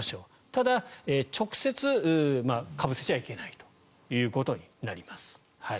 ただ、直接かぶせちゃいけないということになります。